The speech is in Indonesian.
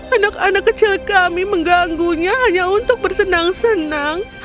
anak anak kecil kami mengganggunya hanya untuk bersenang senang